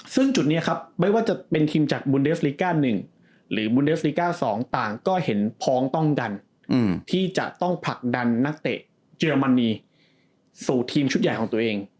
ซึ่งจุดนี้ครับไม่ว่าจะเป็นทีมจากบุญเดฟลิก้า๑หรือบุญเดสติก้า๒ต่างก็เห็นพ้องต้องกันที่จะต้องผลักดันนักเตะเยอรมนีสู่ทีมชุดใหญ่ของตัวเอง